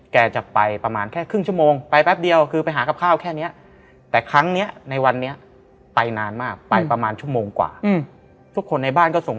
แกจะไปประมาณแค่ครึ่งชั่วโมง